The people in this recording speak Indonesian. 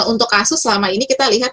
untuk kasus selama ini kita lihat